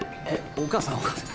お母さんお母さん。